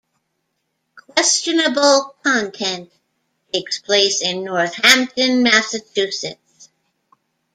"Questionable Content" takes place in Northampton, Massachusetts.